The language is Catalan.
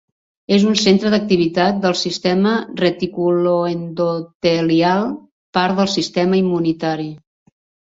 És un centre d'activitat del sistema reticuloendotelial, part del sistema immunitari.